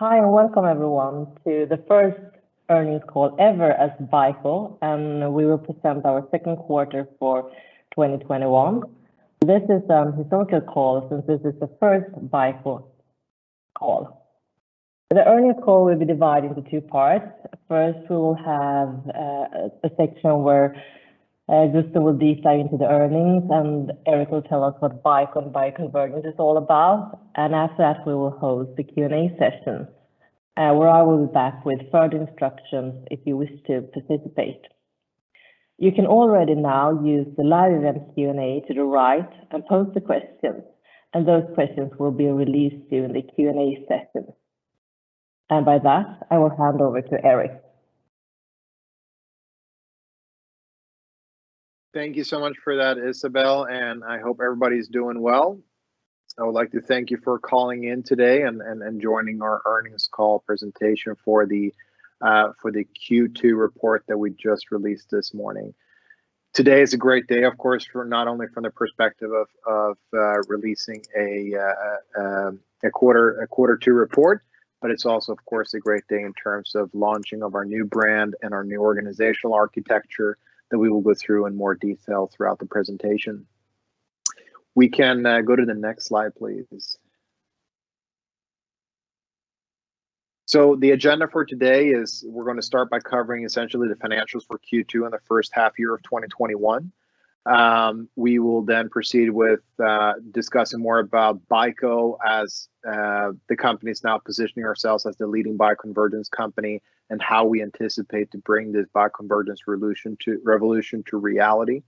Hi, welcome everyone to the first earnings call ever as BICO, we will present our second quarter for 2021. This is a historical call, since this is the first BICO call. The earnings call will be divided into two parts. First, we will have a section where Gusten will dive into the earnings, Erik will tell us what BICO and bioconvergence is all about. After that, we will host the Q&A session, where I will be back with further instructions if you wish to participate. You can already now use the Live Events Q&A to the right and pose the questions, those questions will be released during the Q&A session. By that, I will hand over to Erik. Thank you so much for that, Isabelle, and I hope everybody's doing well. I would like to thank you for calling in today and joining our earnings call presentation for the Q2 report that we just released this morning. Today is a great day, of course, not only from the perspective of releasing a quarter two report, but it's also, of course, a great day in terms of launching of our new brand and our new organizational architecture that we will go through in more detail throughout the presentation. We can go to the next slide, please. The agenda for today is we're going to start by covering essentially the financials for Q2 and the first half year of 2021. We will then proceed with discussing more about BICO as the company's now positioning ourselves as the leading bioconvergence company and how we anticipate to bring this bioconvergence revolution to reality.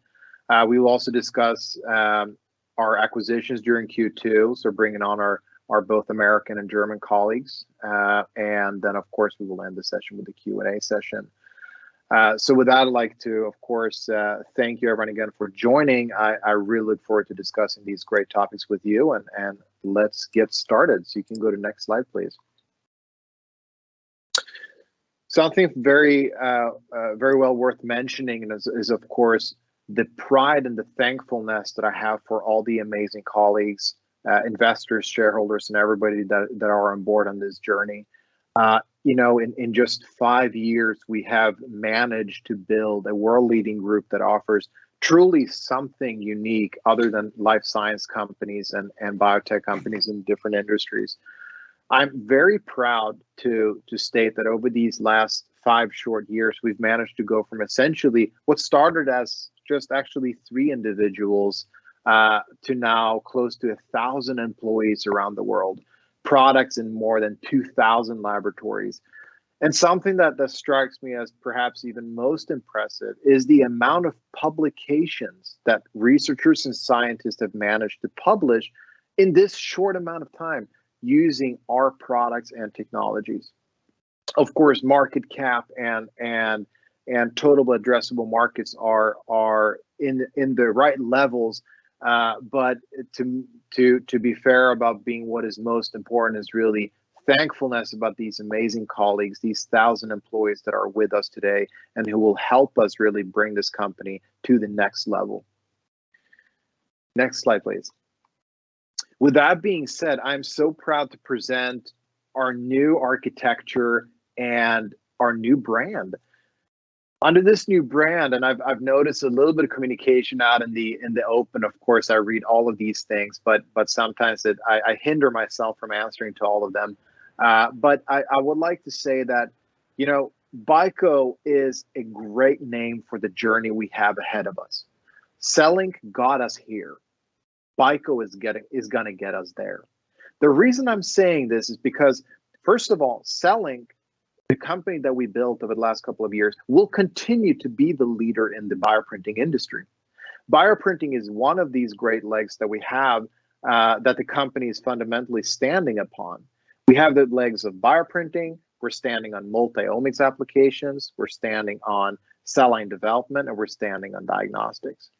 We will also discuss our acquisitions during Q2, so bringing on our both American and German colleagues. Of course, we will end the session with a Q&A session. With that, I'd like to, of course, thank you everyone again for joining. I really look forward to discussing these great topics with you, and let's get started. You can go to next slide, please. Something very well worth mentioning is, of course, the pride and the thankfulness that I have for all the amazing colleagues, investors, shareholders, and everybody that are on board on this journey. In just five years, we have managed to build a world-leading group that offers truly something unique other than life science companies and biotech companies in different industries. I'm very proud to state that over these last five short years, we've managed to go from essentially what started as just actually three individuals to now close to 1,000 employees around the world, products in more than 2,000 laboratories. Something that strikes me as perhaps even most impressive is the amount of publications that researchers and scientists have managed to publish in this short amount of time using our products and technologies. Of course, market cap and total addressable markets are in the right levels. To be fair about being what is most important is really thankfulness about these amazing colleagues, these 1,000 employees that are with us today and who will help us really bring this company to the next level. Next slide, please. With that being said, I'm so proud to present our new architecture and our new brand. Under this new brand, and I've noticed a little bit of communication out in the open, of course, I read all of these things, but sometimes I hinder myself from answering to all of them. I would like to say that BICO is a great name for the journey we have ahead of us. CELLINK got us here, BICO is going to get us there. The reason I'm saying this is because, first of all, CELLINK, the company that we built over the last couple of years, will continue to be the leader in the bioprinting industry. Bioprinting is one of these great legs that we have that the company is fundamentally standing upon. We have the legs of bioprinting, we're standing on multi-omics applications, we're standing on cell line development, and we're standing on diagnostics.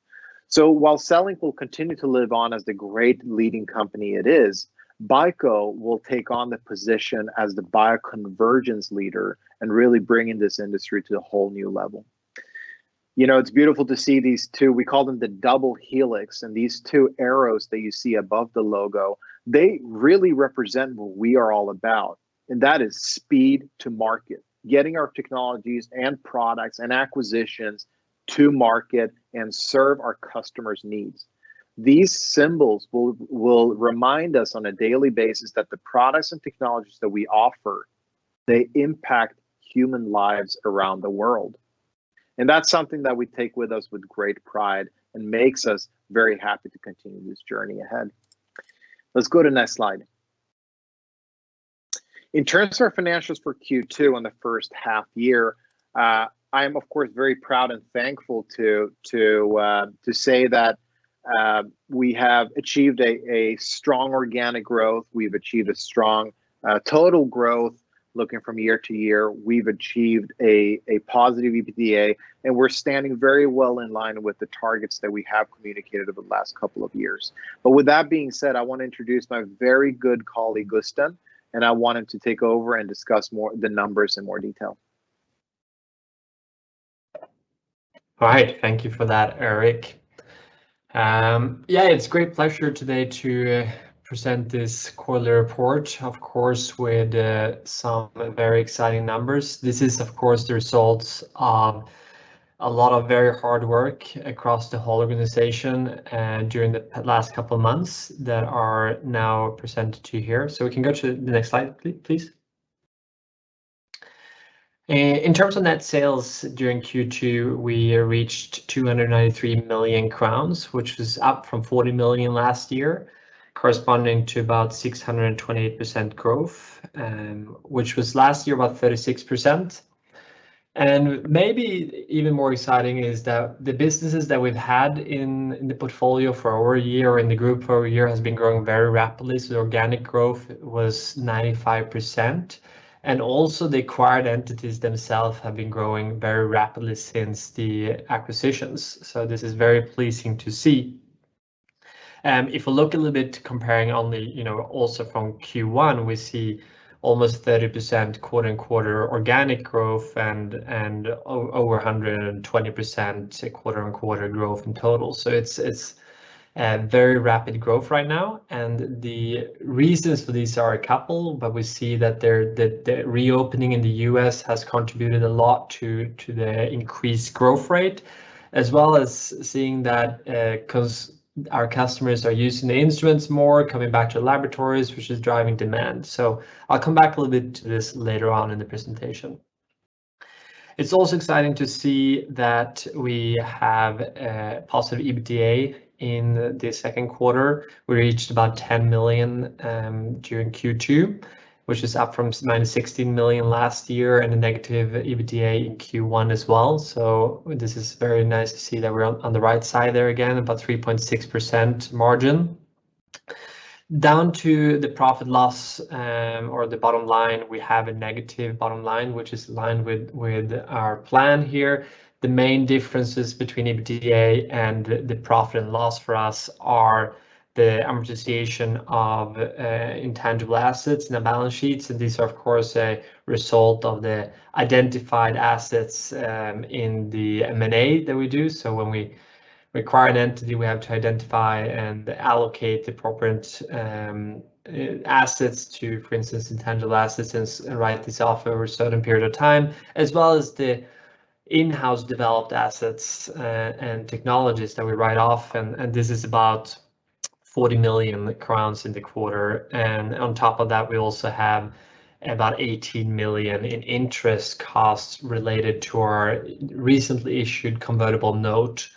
While CELLINK will continue to live on as the great leading company it is, BICO will take on the position as the bioconvergence leader and really bring in this industry to a whole new level. It's beautiful to see these two, we call them the double helix, and these two arrows that you see above the logo, they really represent what we are all about, and that is speed to market, getting our technologies and products and acquisitions to market and serve our customers' needs. These symbols will remind us on a daily basis that the products and technologies that we offer, they impact human lives around the world. That's something that we take with us with great pride and makes us very happy to continue this journey ahead. Let's go to next slide. In terms of our financials for Q2 on the first half year, I am, of course, very proud and thankful to say that we have achieved a strong organic growth. We've achieved a strong total growth looking from year-over-year. We've achieved a positive EBITDA, and we're standing very well in line with the targets that we have communicated over the last couple of years. With that being said, I want to introduce my very good colleague, Gusten, and I want him to take over and discuss the numbers in more detail. Thank you for that, Erik. It's a great pleasure today to present this quarterly report, of course, with some very exciting numbers. This is the results of a lot of very hard work across the whole organization during the last couple of months that are now presented to you here. We can go to the next slide, please. In terms of net sales during Q2, we reached 293 million crowns, which was up from 40 million last year, corresponding to about 628% growth, which was last year about 36%. Maybe even more exciting is that the businesses that we've had in the portfolio for over a year, in the group for over a year, has been growing very rapidly. The organic growth was 95%, also the acquired entities themselves have been growing very rapidly since the acquisitions. This is very pleasing to see. If we look a little bit comparing only also from Q1, we see almost 30% quarter-on-quarter organic growth and over 120% quarter-on-quarter growth in total. It's very rapid growth right now, and the reasons for this are a couple, but we see that the reopening in the U.S. has contributed a lot to the increased growth rate, as well as seeing that because our customers are using the instruments more, coming back to the laboratories, which is driving demand. I'll come back a little bit to this later on in the presentation. It's also exciting to see that we have a positive EBITDA in the second quarter. We reached about 10 million during Q2, which is up from -16 million last year and a negative EBITDA in Q1 as well. This is very nice to see that we're on the right side there again, about 3.6% margin. Down to the profit loss, or the bottom line, we have a negative bottom line, which is in line with our plan here. The main differences between EBITDA and the profit and loss for us are the amortization of intangible assets in the balance sheets, and these are, of course, a result of the identified assets in the M&A that we do. When we acquire an entity, we have to identify and allocate the appropriate assets to, for instance, intangible assets and write this off over a certain period of time, as well as the in-house developed assets and technologies that we write off, and this is about 40 million crowns in the quarter. On top of that, we also have about 18 million in interest costs related to our recently issued convertible note.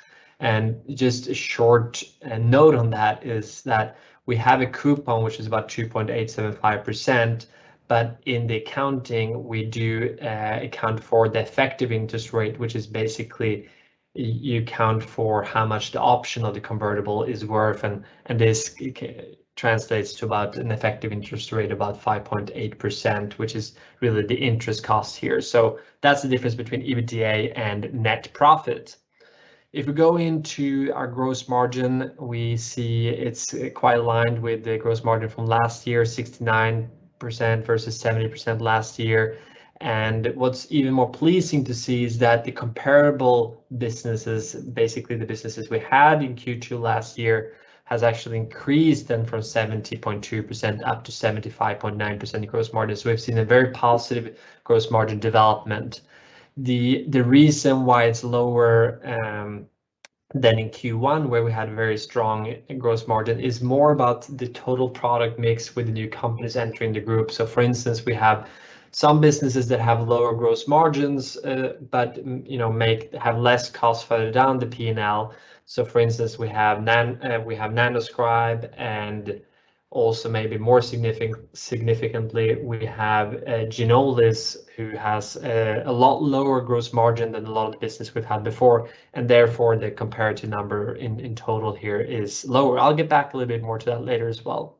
Just a short note on that is that we have a coupon which is about 2.875%, but in the accounting, we do account for the effective interest rate, which is basically you account for how much the option of the convertible is worth, and this translates to about an effective interest rate about 5.8%, which is really the interest cost here. That's the difference between EBITDA and net profit. If we go into our gross margin, we see it's quite aligned with the gross margin from last year, 69% versus 70% last year. What's even more pleasing to see is that the comparable businesses, basically the businesses we had in Q2 last year, has actually increased then from 70.2% up to 75.9% gross margin. We've seen a very positive gross margin development. The reason why it's lower than in Q1, where we had very strong gross margin, is more about the total product mix with the new companies entering the group. For instance, we have some businesses that have lower gross margins but have less costs further down the P&L. For instance, we have Nanoscribe and also maybe more significantly, we have Ginolis, who has a lot lower gross margin than a lot of the business we've had before, and therefore the comparative number in total here is lower. I'll get back a little bit more to that later as well.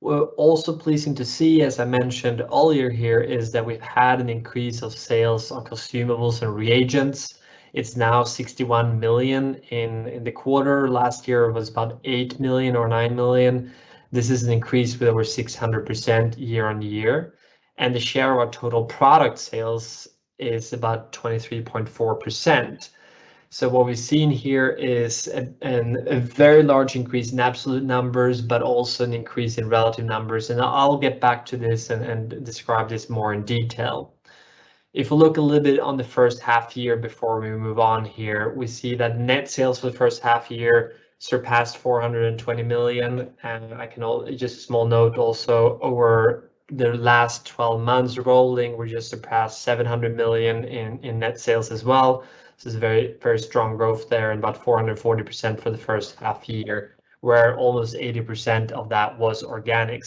Also pleasing to see, as I mentioned earlier here, is that we've had an increase of sales on consumables and reagents. It's now 61 million in the quarter. Last year was about 8 million or 9 million. This is an increase with over 600% year-over-year. The share of our total product sales is about 23.4%. What we're seeing here is a very large increase in absolute numbers, also an increase in relative numbers. I'll get back to this and describe this more in detail. If we look a little bit on the first half year before we move on here, we see that net sales for the first half year surpassed 420 million. Just a small note also, over the last 12 months rolling, we just surpassed 700 million in net sales as well. This is very strong growth there, about 440% for the first half year, where almost 80% of that was organic.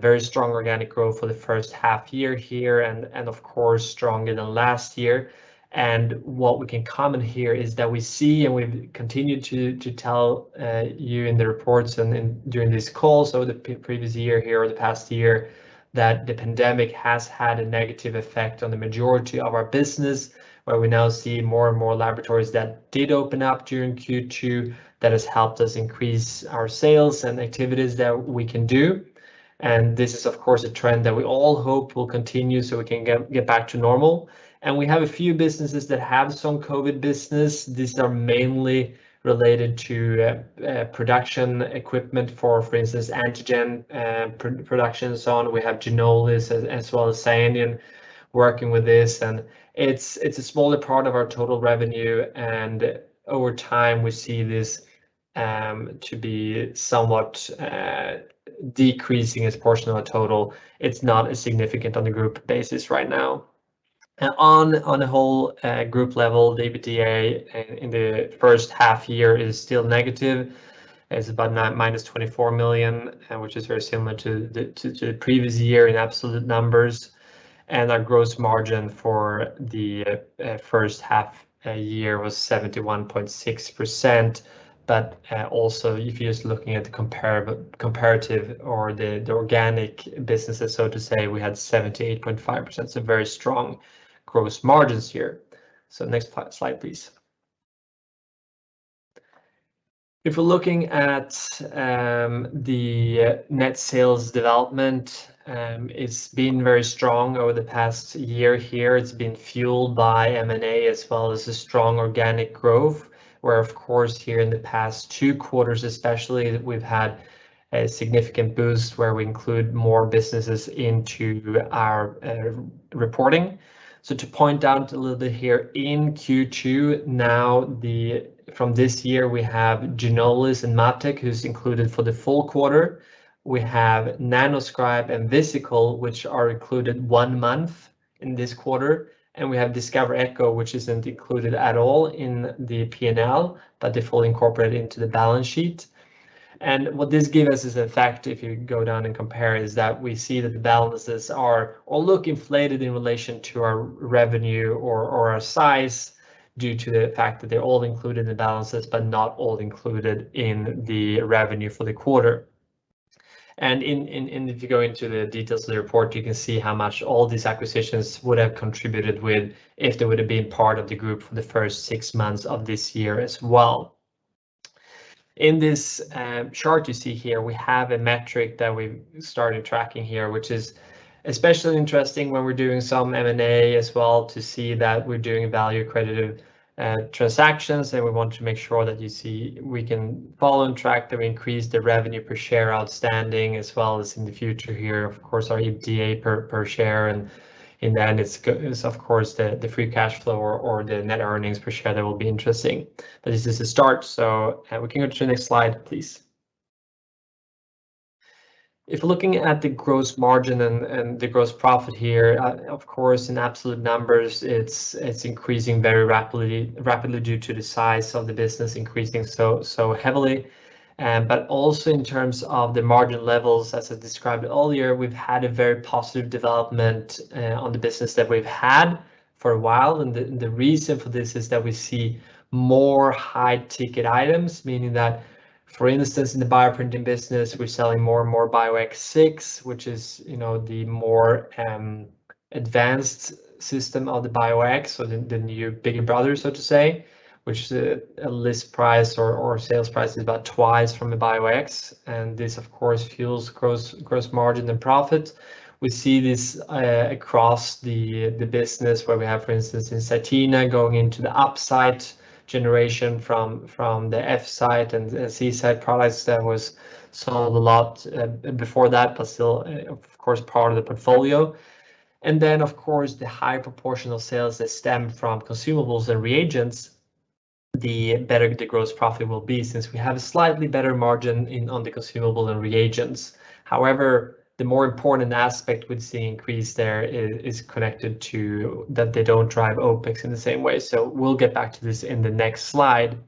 Very strong organic growth for the first half year here, of course stronger than last year. What we can comment here is that we see and we've continued to tell you in the reports and during this call, so the previous year here or the past year, that the pandemic has had a negative effect on the majority of our business, where we now see more and more laboratories that did open up during Q2. That has helped us increase our sales and activities that we can do. This is, of course, a trend that we all hope will continue so we can get back to normal. We have a few businesses that have some COVID business. These are mainly related to production equipment for instance, antigen production and so on. We have Ginolis as well as Scienion working with this. It's a smaller part of our total revenue. Over time, we see this to be somewhat decreasing as a portion of the total. It's not as significant on the group basis right now. On a whole group level, EBITDA in the first half-year is still negative. It's about -24 million, which is very similar to the previous year in absolute numbers. Our gross margin for the first half-year was 71.6%. Also, if you're just looking at the comparative or the organic businesses, so to say, we had 78.5%. Very strong gross margins here. Next slide, please. If we're looking at the net sales development, it's been very strong over the past year here. It's been fueled by M&A as well as strong organic growth, where, of course, here in the past 2 quarters especially, we've had a significant boost where we include more businesses into our reporting. To point out a little bit here, in Q2 now from this year, we have Ginolis and MatTek who's included for the full quarter. We have Nanoscribe and Visikol, which are included 1 month in this quarter. We have Discover Echo, which isn't included at all in the P&L, but they're fully incorporated into the balance sheet. What this gives us is, in fact, if you go down and compare, is that we see that the balances all look inflated in relation to our revenue or our size due to the fact that they're all included in the balances, but not all included in the revenue for the quarter. If you go into the details of the report, you can see how much all these acquisitions would have contributed with if they would've been part of the group for the first 6 months of this year as well. In this chart you see here, we have a metric that we started tracking here, which is especially interesting when we're doing some M&A as well to see that we're doing value-accretive transactions. We want to make sure that you see we can follow on track to increase the revenue per share outstanding as well as in the future here, of course, our EBITDA per share. In the end, it's of course the free cash flow or the net earnings per share that will be interesting. This is a start, so we can go to the next slide, please. If looking at the gross margin and the gross profit here, of course, in absolute numbers, it's increasing very rapidly due to the size of the business increasing so heavily. Also in terms of the margin levels, as I described earlier, we've had a very positive development on the business that we've had for a while. The reason for this is that we see more high-ticket items, meaning that, for instance, in the bioprinting business, we're selling more and more BIO X6, which is the more advanced system of the BIO X or the new bigger brother, so to say, which list price or sales price is about twice from the BIO X. This, of course, fuels gross margin and profit. We see this across the business where we have, for instance, in Cytena, going into the UP.SIGHT generation from the F.SIGHT and C.SIGHT products that was sold a lot before that, but still, of course, part of the portfolio. Of course, the high proportion of sales that stem from consumables and reagents, the better the gross profit will be since we have a slightly better margin on the consumable and reagents. However, the more important aspect we'd see increase there is connected to that they don't drive OPEX in the same way. We'll get back to this in the next slide.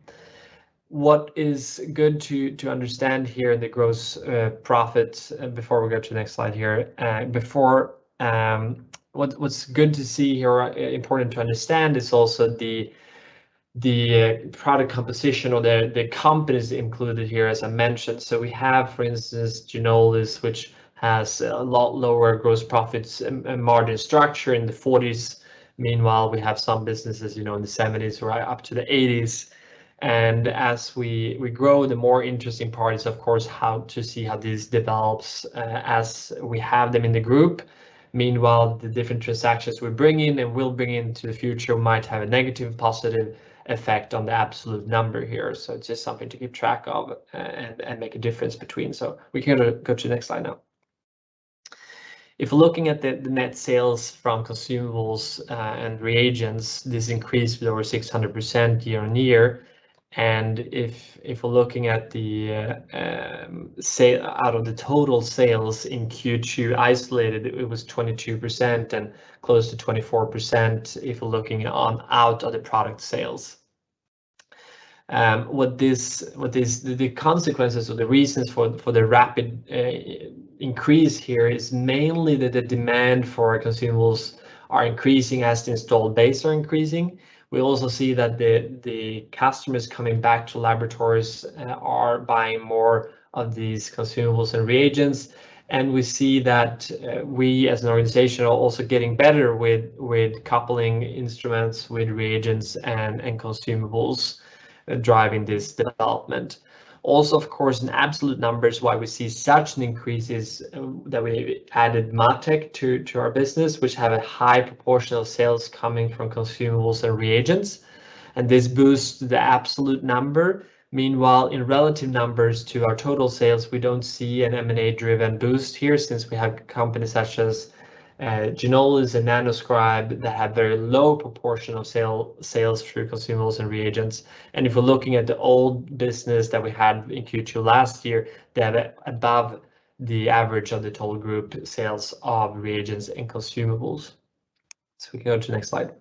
What is good to understand here in the gross profits before we get to the next slide here, and before what's good to see here or important to understand is also the product composition or the companies included here, as I mentioned. We have, for instance, Ginolis, which has a lot lower gross profits and margin structure in the 40s. Meanwhile, we have some businesses in the 70s right up to the 80s. As we grow, the more interesting part is, of course, how to see how this develops as we have them in the group. Meanwhile, the different transactions we bring in and will bring into the future might have a negative, positive effect on the absolute number here. It's just something to keep track of and make a difference between. We can go to the next slide now. If looking at the net sales from consumables and reagents, this increased with over 600% year-on-year. If we're looking at out of the total sales in Q2 isolated, it was 22% and close to 24% if we're looking on out of the product sales. The consequences or the reasons for the rapid increase here is mainly that the demand for consumables are increasing as the installed base are increasing. We also see that the customers coming back to laboratories are buying more of these consumables and reagents. We see that we, as an organization, are also getting better with coupling instruments with reagents and consumables driving this development. Of course, in absolute numbers, why we see such an increases that we added MatTek to our business, which have a high proportion of sales coming from consumables and reagents. This boosts the absolute number. Meanwhile, in relative numbers to our total sales, we don't see an M&A-driven boost here since we have company such as Ginolis and Nanoscribe that have very low proportion of sales through consumables and reagents. If we're looking at the old business that we had in Q2 last year, they have above the average of the total group sales of reagents and consumables. We can go to the next slide.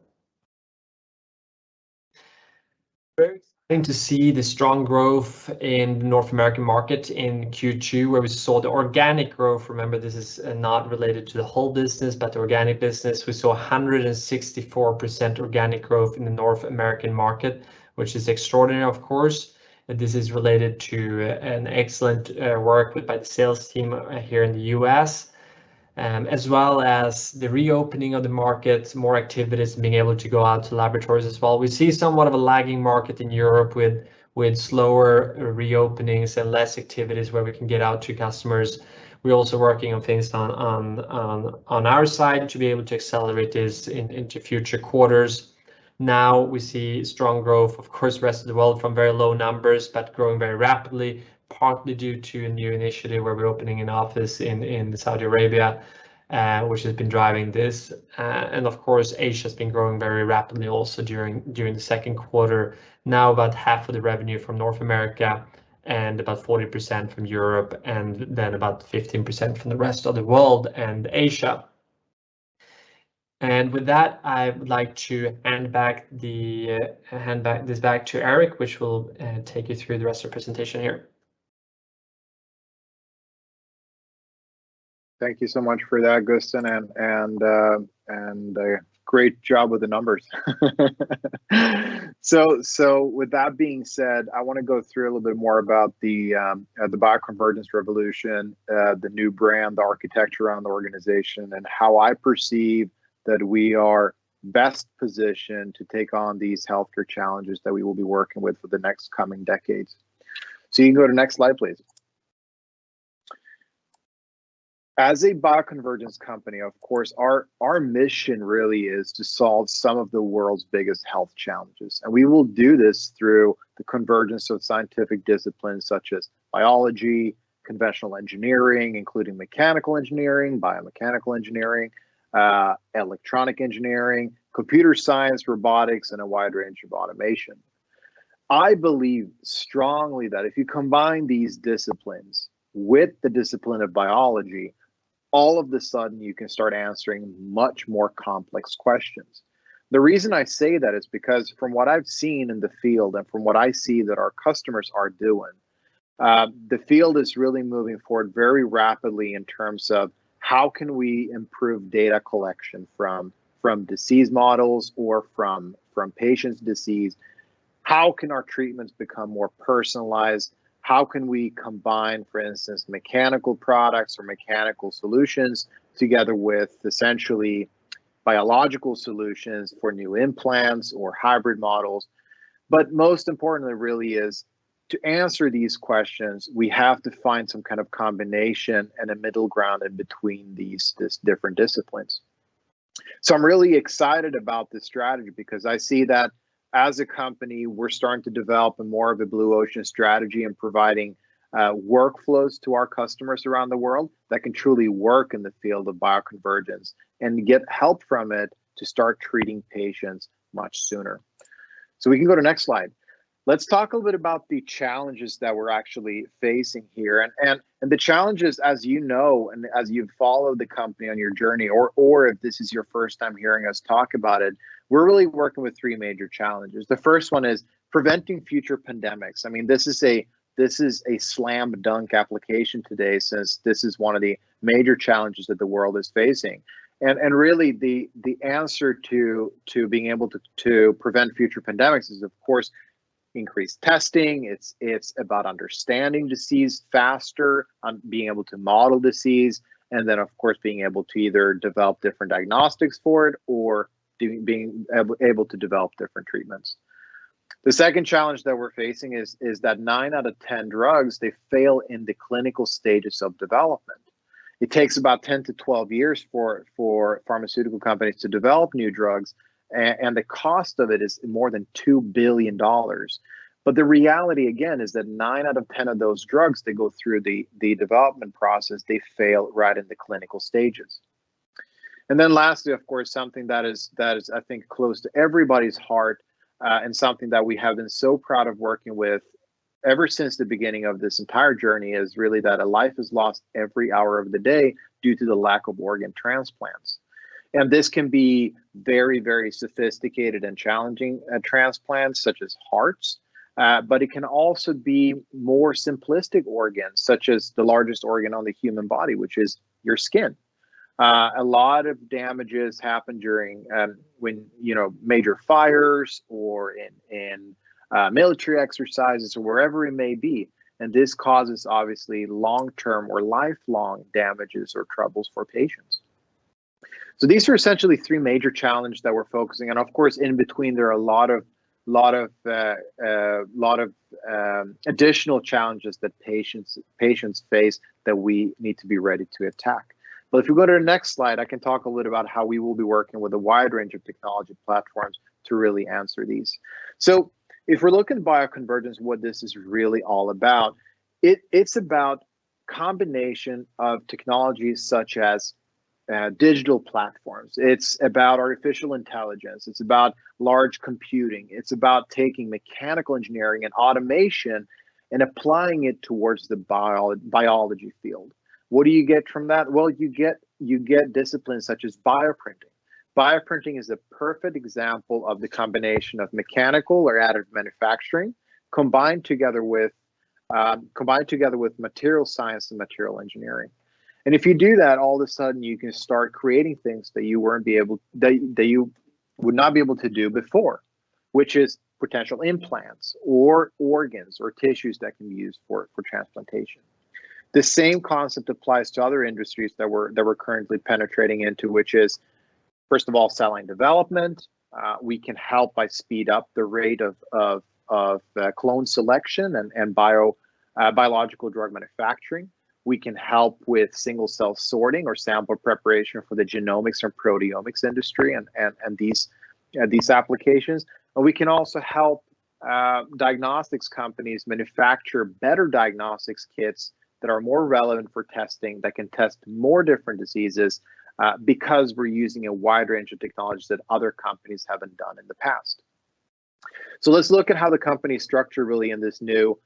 Very exciting to see the strong growth in the North American market in Q2, where we saw the organic growth. Remember, this is not related to the whole business, but the organic business. We saw 164% organic growth in the North American market, which is extraordinary, of course. This is related to an excellent work by the sales team here in the U.S., as well as the reopening of the markets, more activities, and being able to go out to laboratories as well. We see somewhat of a lagging market in Europe with slower reopenings and less activities where we can get out to customers. We're also working on things on our side to be able to accelerate this into future quarters. We see strong growth, of course, rest of the world from very low numbers, but growing very rapidly, partly due to a new initiative where we're opening an office in Saudi Arabia, which has been driving this. Of course, Asia has been growing very rapidly also during the second quarter. About half of the revenue from North America, and about 40% from Europe, and then about 15% from the rest of the world and Asia. With that, I would like to hand this back to Erik, which will take you through the rest of the presentation here. Thank you so much for that, Gusten, and great job with the numbers. With that being said, I want to go through a little bit more about the Bioconvergence Revolution, the new brand, the architecture around the organization, and how I perceive that we are best positioned to take on these healthcare challenges that we will be working with for the next coming decades. You can go to next slide, please. As a bioconvergence company, of course, our mission really is to solve some of the world's biggest health challenges. We will do this through the convergence of scientific disciplines such as biology, conventional engineering, including mechanical engineering, biomechanical engineering, electronic engineering, computer science, robotics, and a wide range of automation. I believe strongly that if you combine these disciplines with the discipline of biology, all of the sudden you can start answering much more complex questions. The reason I say that is because from what I've seen in the field and from what I see that our customers are doing, the field is really moving forward very rapidly in terms of how can we improve data collection from disease models or from patients' disease. How can our treatments become more personalized? How can we combine, for instance, mechanical products or mechanical solutions together with essentially biological solutions for new implants or hybrid models? Most importantly really is to answer these questions, we have to find some kind of combination and a middle ground in between these different disciplines. I'm really excited about this strategy because I see that as a company, we're starting to develop a more of a blue ocean strategy and providing workflows to our customers around the world that can truly work in the field of bioconvergence and get help from it to start treating patients much sooner. We can go to next slide. Let's talk a little bit about the challenges that we're actually facing here. The challenges, as you know, and as you've followed the company on your journey or if this is your first time hearing us talk about it, we're really working with three major challenges. The first one is preventing future pandemics. I mean, this is a slam dunk application today since this is one of the major challenges that the world is facing. Really the answer to being able to prevent future pandemics is, of course, increased testing. It's about understanding disease faster and being able to model disease, and then, of course, being able to either develop different diagnostics for it or being able to develop different treatments. The second challenge that we're facing is that 9 out of 10 drugs, they fail in the clinical stages of development. It takes about 10-12 years for pharmaceutical companies to develop new drugs, and the cost of it is more than $2 billion. The reality again is that 9 out of 10 of those drugs that go through the development process, they fail right in the clinical stages. Lastly, of course, something that is I think close to everybody's heart, and something that we have been so proud of working with ever since the beginning of this entire journey is really that a life is lost every hour of the day due to the lack of organ transplants. This can be very, very sophisticated and challenging transplants such as hearts, but it can also be more simplistic organs, such as the largest organ on the human body, which is your skin. A lot of damages happen when major fires or in military exercises or wherever it may be, and this causes obviously long-term or lifelong damages or troubles for patients. These are essentially three major challenges that we're focusing. Of course, in between, there are a lot of additional challenges that patients face that we need to be ready to attack. If you go to the next slide, I can talk a little about how we will be working with a wide range of technology platforms to really answer these. If we're looking at bioconvergence and what this is really all about it's about combination of technologies such as digital platforms. It's about artificial intelligence. It's about large computing. It's about taking mechanical engineering and automation and applying it towards the biology field. What do you get from that? Well, you get disciplines such as bioprinting. Bioprinting is a perfect example of the combination of mechanical or added manufacturing, combined together with material science and material engineering. If you do that, all of a sudden you can start creating things that you would not be able to do before, which is potential implants or organs or tissues that can be used for transplantation. The same concept applies to other industries that we're currently penetrating into, which is, first of all, cell line development. We can help by speed up the rate of clone selection and biological drug manufacturing. We can help with single-cell sorting or sample preparation for the genomics or proteomics industry and these applications. We can also help diagnostics companies manufacture better diagnostics kits that are more relevant for testing, that can test more different diseases, because we're using a wide range of technologies that other companies haven't done in the past. Let's look at how the company's structured, really, in this new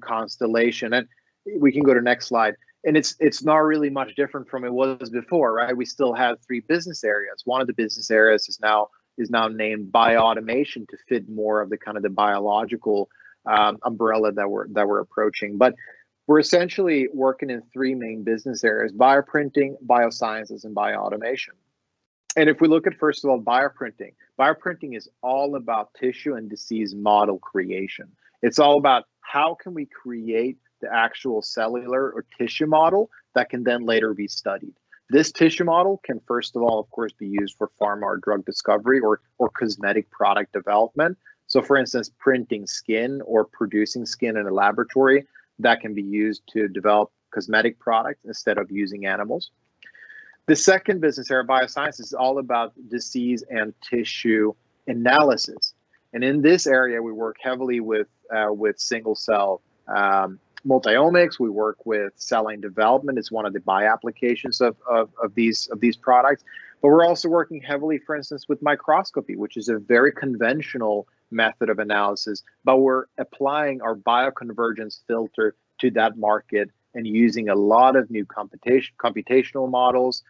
constellation. We can go to next slide. It's not really much different from it was before, right? We still have three business areas. One of the business areas is now named Bioautomation to fit more of the biological umbrella that we're approaching. We're essentially working in three main business areas, bioprinting, biosciences, and bioautomation. If we look at, first of all, bioprinting. Bioprinting is all about tissue and disease model creation. It's all about how can we create the actual cellular or tissue model that can then later be studied. This tissue model can, first of all, of course, be used for pharma or drug discovery or cosmetic product development. For instance, printing skin or producing skin in a laboratory, that can be used to develop cosmetic product instead of using animals. The second business area, bioscience, is all about disease and tissue analysis. In this area, we work heavily with single cell multi-omics. We work with cell line development as one of the bioapplications of these products. We're also working heavily, for instance, with microscopy, which is a very conventional method of analysis, but we're applying our Bioconvergence filter to that market and using a lot of new computational models,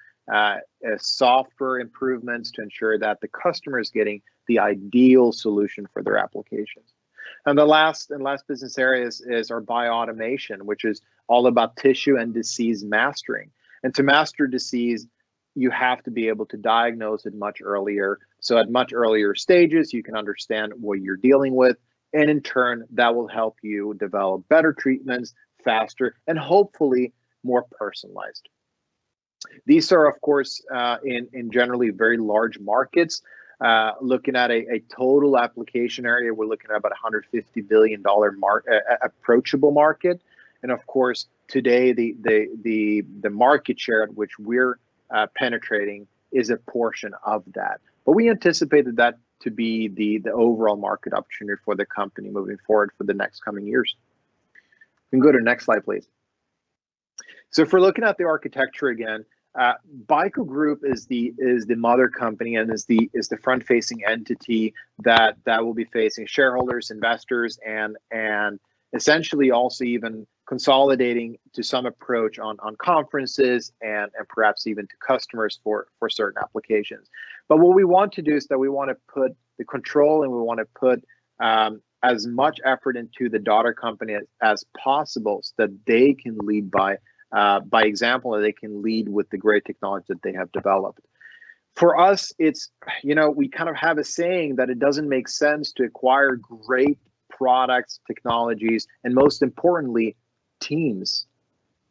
software improvements to ensure that the customer is getting the ideal solution for their applications. The last business area is our Bioautomation, which is all about tissue and disease mastering. To master disease, you have to be able to diagnose it much earlier. At much earlier stages, you can understand what you're dealing with, and in turn, that will help you develop better treatments faster, and hopefully, more personalized. These are, of course, in generally very large markets. Looking at a total application area, we're looking at about SEK 150 billion approachable market. Of course, today, the market share at which we're penetrating is a portion of that. We anticipate that to be the overall market opportunity for the company moving forward for the next coming years. We can go to next slide, please. If we're looking at the architecture again, BICO Group is the mother company and is the front-facing entity that will be facing shareholders, investors, and essentially also even consolidating to some approach on conferences and perhaps even to customers for certain applications. What we want to do is that we want to put the control, and we want to put as much effort into the daughter company as possible, so that they can lead by example, and they can lead with the great technology that they have developed. For us, we kind of have a saying that it doesn't make sense to acquire great products, technologies, and most importantly, teams,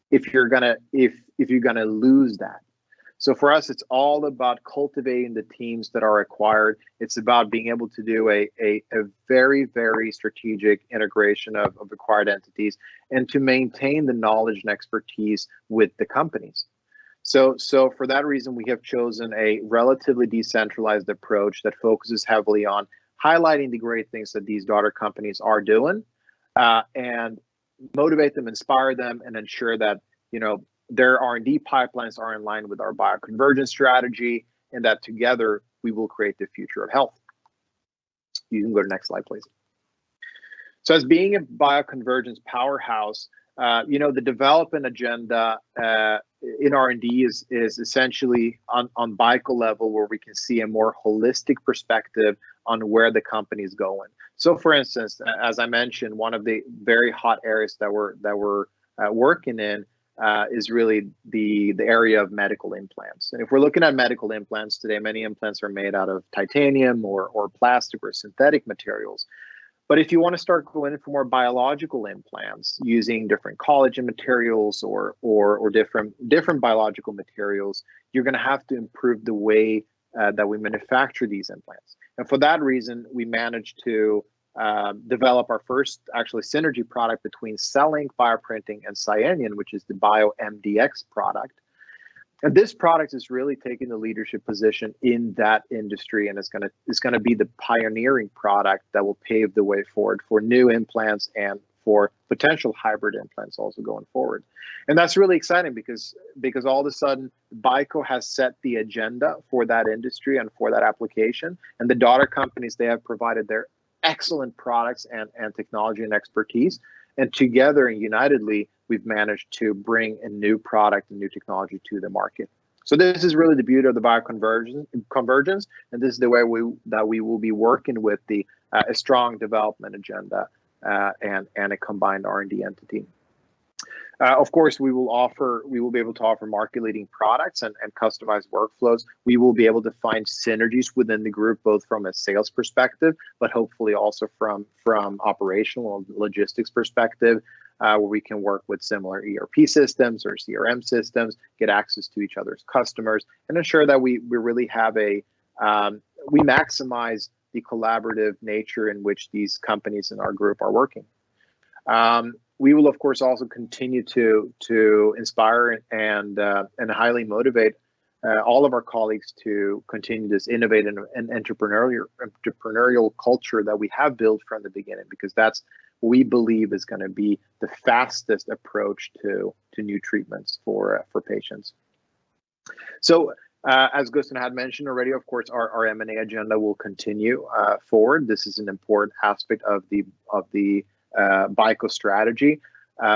if you're going to lose that. For us, it's all about cultivating the teams that are acquired. It's about being able to do a very strategic integration of acquired entities and to maintain the knowledge and expertise with the companies. For that reason, we have chosen a relatively decentralized approach that focuses heavily on highlighting the great things that these daughter companies are doing, and motivate them, inspire them, and ensure that their R&D pipelines are in line with our bioconvergence strategy, and that together, we will create the future of health. You can go to next slide, please. As being a bioconvergence powerhouse, the development agenda in R&D is essentially on BICO level, where we can see a more holistic perspective on where the company's going. For instance, as I mentioned, one of the very hot areas that we're working in is really the area of medical implants. If we're looking at medical implants today, many implants are made out of titanium or plastic or synthetic materials. If you want to start going for more biological implants, using different collagen materials or different biological materials, you're going to have to improve the way that we manufacture these implants. For that reason, we managed to develop our first actually synergy product between CELLINK, bioprinting, and Cytena, which is the BIO MDX product. This product is really taking the leadership position in that industry, and it's going to be the pioneering product that will pave the way forward for new implants and for potential hybrid implants also going forward. That's really exciting because all of a sudden, BICO has set the agenda for that industry and for that application, and the daughter companies, they have provided their excellent products and technology and expertise. Together, unitedly, we've managed to bring a new product and new technology to the market. This is really the beauty of the bioconvergence, and this is the way that we will be working with the strong development agenda, and a combined R&D entity. Of course, we will be able to offer market-leading products and customized workflows. We will be able to find synergies within the group, both from a sales perspective, but hopefully also from operational logistics perspective, where we can work with similar ERP systems or CRM systems, get access to each other's customers, and ensure that we maximize the collaborative nature in which these companies in our group are working. We will, of course, also continue to inspire and highly motivate all of our colleagues to continue this innovative and entrepreneurial culture that we have built from the beginning, because that's, we believe is going to be the fastest approach to new treatments for patients. As Gusten had mentioned already, of course, our M&A agenda will continue forward. This is an important aspect of the BICO strategy.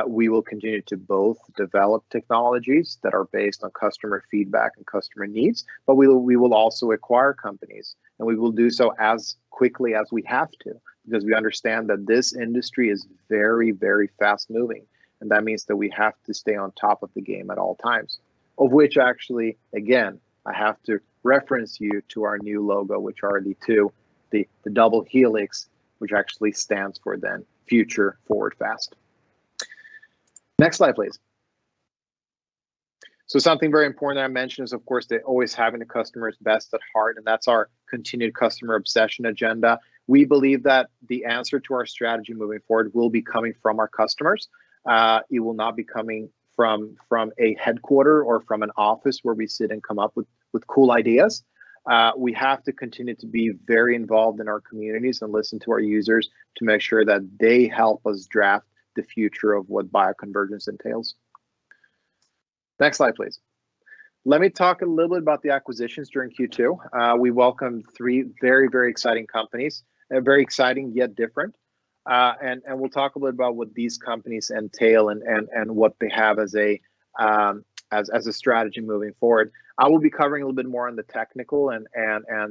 We will continue to both develop technologies that are based on customer feedback and customer needs, but we will also acquire companies, and we will do so as quickly as we have to. We understand that this industry is very fast moving, and that means that we have to stay on top of the game at all times. Of which, actually, again, I have to reference you to our new logo, which are the two, the double helix, which actually stands for then future forward fast. Next slide, please. Something very important that I mentioned is, of course, always having the customer's best at heart, and that's our continued customer obsession agenda. We believe that the answer to our strategy moving forward will be coming from our customers. It will not be coming from a headquarter or from an office where we sit and come up with cool ideas. We have to continue to be very involved in our communities and listen to our users to make sure that they help us draft the future of what bioconvergence entails. Next slide, please. Let me talk a little bit about the acquisitions during Q2. We welcomed 3 very exciting companies, very exciting, yet different. We'll talk a bit about what these companies entail and what they have as a strategy moving forward. I will be covering a little bit more on the technical and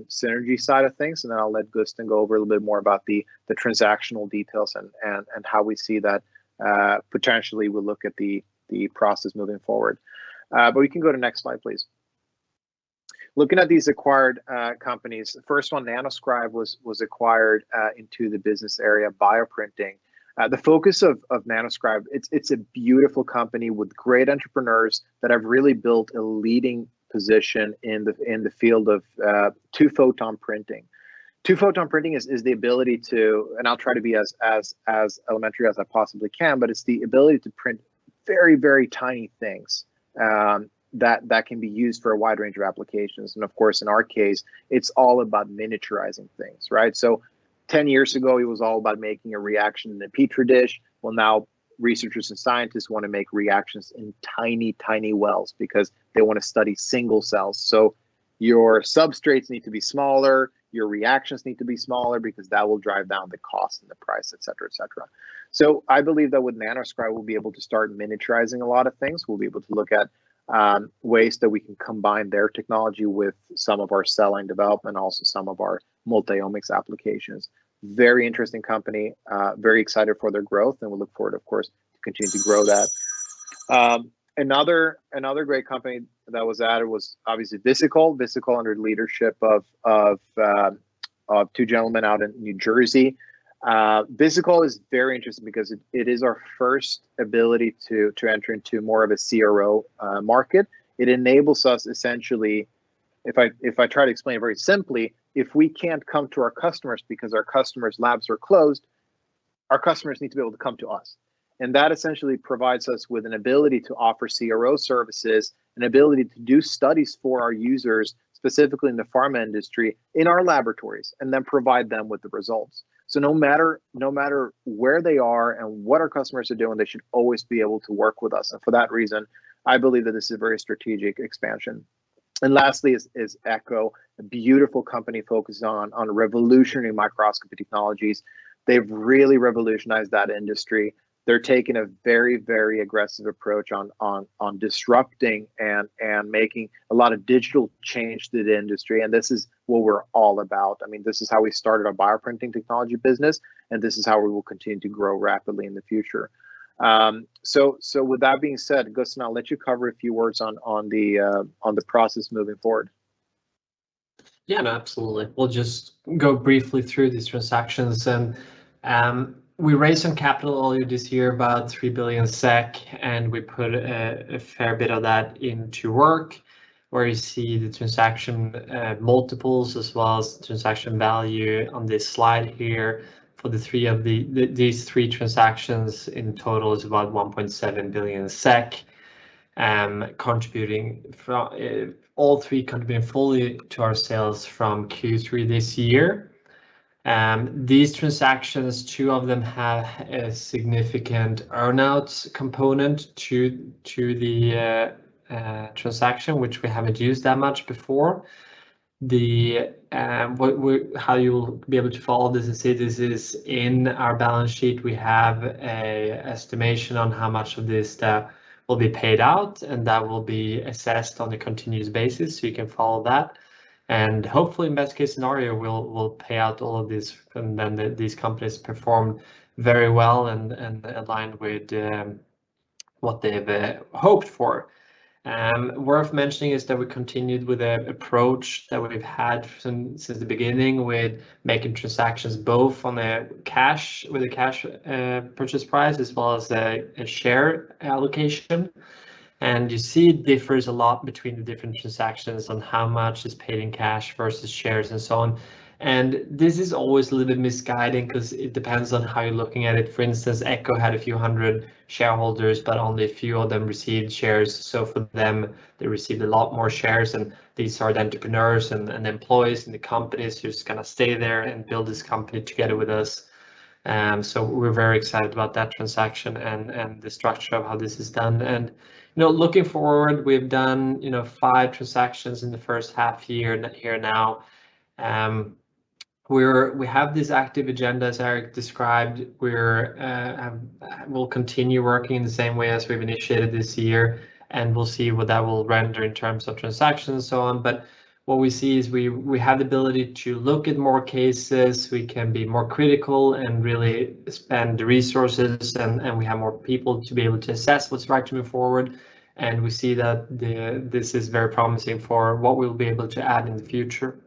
synergy side of things, and then I'll let Gusten go over a little bit more about the transactional details and how we see that, potentially, we'll look at the process moving forward. We can go to next slide, please. Looking at these acquired companies, the first one, Nanoscribe, was acquired into the business area bioprinting. The focus of Nanoscribe, it's a beautiful company with great entrepreneurs that have really built a leading position in the field of two-photon printing. Two-photon printing is the ability to, and I'll try to be as elementary as I possibly can, it's the ability to print very tiny things that can be used for a wide range of applications. Of course, in our case, it's all about miniaturizing things, right? 10 years ago, it was all about making a reaction in a Petri dish. Well, now, researchers and scientists want to make reactions in tiny wells because they want to study single cells. Your substrates need to be smaller, your reactions need to be smaller because that will drive down the cost and the price, et cetera. I believe that with Nanoscribe, we'll be able to start miniaturizing a lot of things. We'll be able to look at ways that we can combine their technology with some of our cell line development, also some of our multi-omics applications. Very interesting company, very excited for their growth, and we look forward, of course, to continue to grow that. Another great company that was added was obviously Visikol. Visikol, under the leadership of two gentlemen out in New Jersey. Visikol is very interesting because it is our first ability to enter into more of a CRO market. It enables us, essentially, if I try to explain very simply, if we can't come to our customers because our customers' labs are closed, our customers need to be able to come to us. That essentially provides us with an ability to offer CRO services and ability to do studies for our users, specifically in the pharma industry, in our laboratories, and then provide them with the results. No matter where they are and what our customers are doing, they should always be able to work with us. For that reason, I believe that this is a very strategic expansion. Lastly is Discover Echo, a beautiful company focused on revolutionary microscopy technologies. They've really revolutionized that industry. They're taking a very aggressive approach on disrupting and making a lot of digital change to the industry. This is what we're all about. This is how we started our bioprinting technology business. This is how we will continue to grow rapidly in the future. With that being said, Gusten, I'll let you cover a few words on the process moving forward. Yeah, no, absolutely. We'll just go briefly through these transactions. We raised some capital earlier this year, about 3 billion SEK, and we put a fair bit of that into work, where you see the transaction multiples as well as transaction value on this slide here. For these three transactions, in total is about 1.7 billion SEK. All three contribute fully to our sales from Q3 this year. These transactions, two of them have a significant earn-outs component to the transaction, which we haven't used that much before. How you'll be able to follow this and see this is in our balance sheet, we have a estimation on how much of this debt will be paid out, and that will be assessed on a continuous basis, so you can follow that. Hopefully, in best case scenario, will pay out all of this. Then these companies perform very well and aligned with what they've hoped for. Worth mentioning is that we continued with the approach that we've had since the beginning with making transactions both with a cash purchase price as well as a share allocation. You see it differs a lot between the different transactions on how much is paid in cash versus shares and so on. This is always a little bit misleading because it depends on how you're looking at it. For instance, ECCO had a few hundred shareholders, but only a few of them received shares. For them, they received a lot more shares. These are the entrepreneurs and the employees in the companies who's going to stay there and build this company together with us. We're very excited about that transaction and the structure of how this is done. Looking forward, we've done five transactions in the first half year now. We have this active agenda, as Erik described. We'll continue working in the same way as we've initiated this year, and we'll see what that will render in terms of transactions and so on. What we see is we have the ability to look at more cases, we can be more critical and really spend the resources, and we have more people to be able to assess what's right to move forward. We see that this is very promising for what we'll be able to add in the future.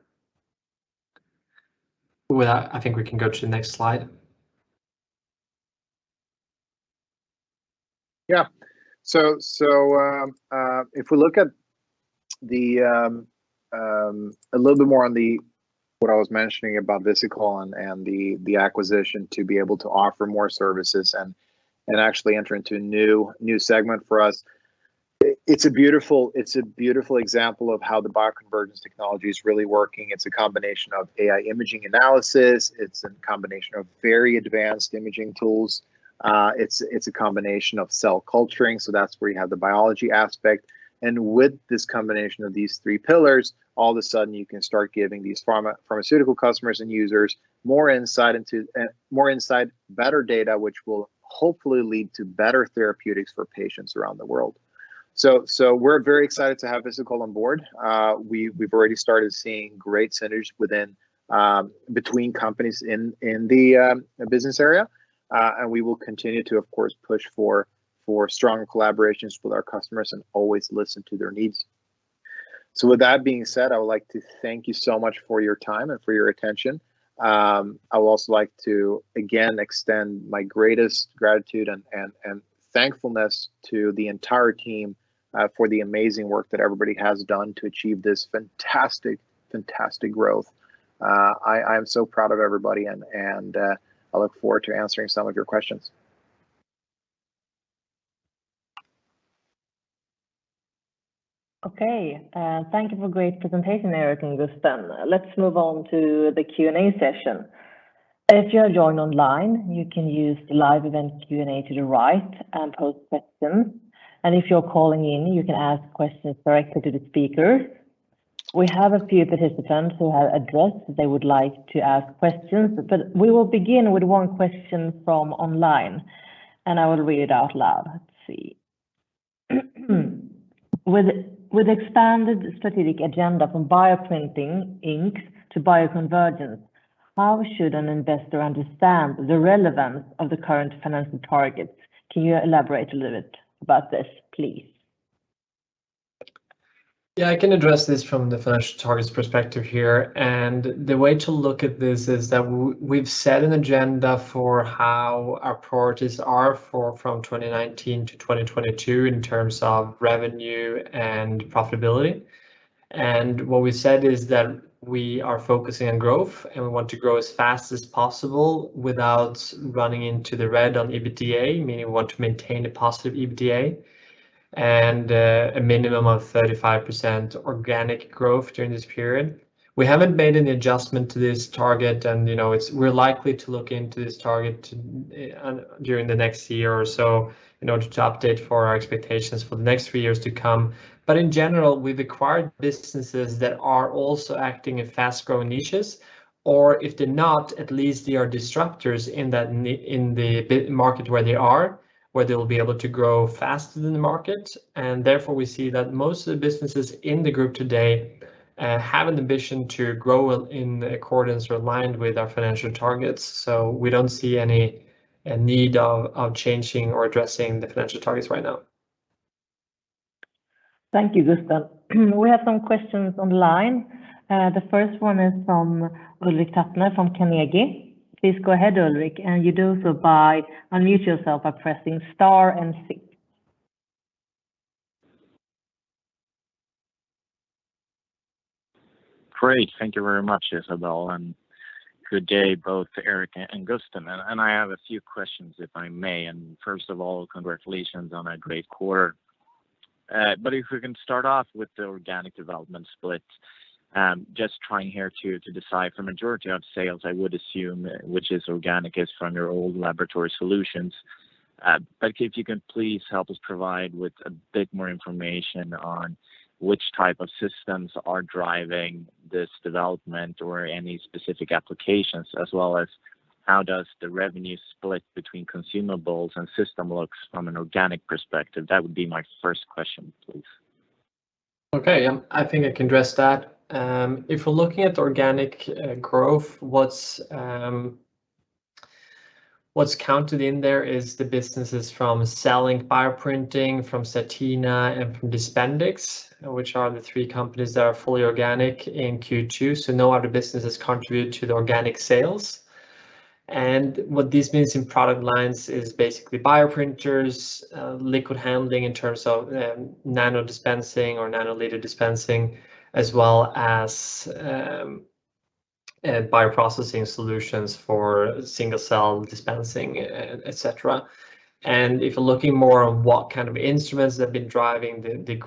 With that, I think we can go to the next slide. Yeah. If we look a little bit more on what I was mentioning about Visikol and the acquisition to be able to offer more services and actually enter into a new segment for us, it's a beautiful example of how the bioconvergence technology is really working. It's a combination of AI imaging analysis. It's a combination of very advanced imaging tools. It's a combination of cell culturing, that's where you have the biology aspect. With this combination of these three pillars, all of a sudden you can start giving these pharmaceutical customers and users more insight, better data, which will hopefully lead to better therapeutics for patients around the world. We're very excited to have Visikol on board. We've already started seeing great synergies between companies in the business area. We will continue to, of course, push for strong collaborations with our customers and always listen to their needs. With that being said, I would like to thank you so much for your time and for your attention. I would also like to, again, extend my greatest gratitude and thankfulness to the entire team for the amazing work that everybody has done to achieve this fantastic growth. I am so proud of everybody, and I look forward to answering some of your questions. Okay. Thank you for great presentation, Erik and Gusten. Let's move on to the Q&A session. If you are joined online, you can use the live event Q&A to the right and post questions. If you're calling in, you can ask questions directly to the speaker. We have a few participants who have addressed they would like to ask questions. We will begin with one question from online, and I will read it out loud. Let's see. With expanded strategic agenda from bioprinting inks to Bioconvergence, how should an investor understand the relevance of the current financial targets? Can you elaborate a little bit about this, please? Yeah, I can address this from the financial targets perspective here. The way to look at this is that we've set an agenda for how our priorities are from 2019-2022 in terms of revenue and profitability. What we said is that we are focusing on growth, and we want to grow as fast as possible without running into the red on EBITDA, meaning we want to maintain a positive EBITDA and a minimum of 35% organic growth during this period. We haven't made any adjustment to this target, and we're likely to look into this target during the next year or so in order to update for our expectations for the next few years to come. In general, we've acquired businesses that are also acting in fast-growing niches. If they're not, at least they are disruptors in the market where they are, where they'll be able to grow faster than the market. Therefore, we see that most of the businesses in the group today have an ambition to grow in accordance or aligned with our financial targets. We don't see any need of changing or addressing the financial targets right now. Thank you, Gusten. We have some questions online. The first one is from Ulrik Trattner from Carnegie. Please go ahead, Ulrik, and you do so by unmute yourself by pressing star and six. Great. Thank you very much, Isabelle. Good day both to Erik and Gusten. I have a few questions, if I may. First of all, congratulations on a great quarter. If we can start off with the organic development split. Just trying here to decide for majority of sales, I would assume, which is organic, is from your old laboratory solutions. If you can please help us provide with a bit more information on which type of systems are driving this development or any specific applications as well as how does the revenue split between consumables and system looks from an organic perspective? That would be my first question, please. Okay. I think I can address that. If we're looking at organic growth, what's counted in there is the businesses from CELLINK bioprinting from Cytena and from Dispendix, which are the thcompanies that are fully organic in Q2. No other businesses contribute to the organic sales. What this means in product lines is basically bioprinters, liquid handling in terms of nanodispensing or nanoliter dispensing, as well as bioprocessing solutions for single-cell dispensing, et cetera. If we're looking more on what kind of instruments have been driving the